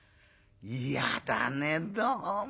嫌だねどうも」。